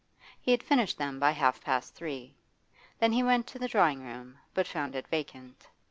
He had finished them by half past three. Then he went to the drawing room, but found it vacant.